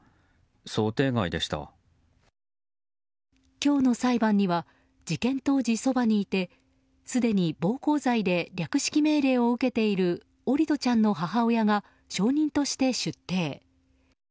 今日の裁判には事件当時、そばにいてすでに暴行罪で略式命令を受けている桜利斗ちゃんの母親が証人として出廷。